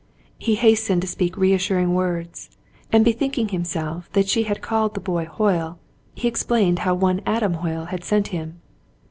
He hastened to speak reassuring words, and, bethinking himself that she had called the boy Hoyle, he explained how one Adam Hoyle had sent him.